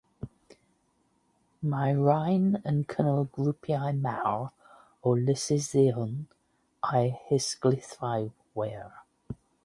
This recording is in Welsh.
Mae'r rhain yn cynnal grwpiau mawr o lysysyddion a'u hysglyfaethwyr.